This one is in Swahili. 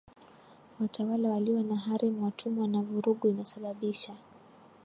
watawala walio na harem watumwa na vurugu Inasababisha